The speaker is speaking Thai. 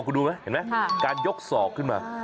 คุณดูไหมเห็นไหมการยกศอกขึ้นมา